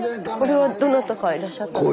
これはどなたかいらっしゃったんですか。